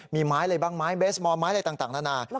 มีไม้อะไรบ้างไม้เบสมอไม้อะไรต่างนานา